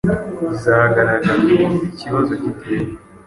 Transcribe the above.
izagaragaza uko ikibazo giteye,